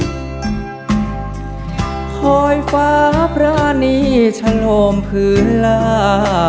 คอยฟ้าพระนีชะโนมพื้นลา